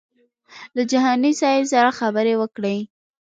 له جهاني صاحب سره خبرې وکړې.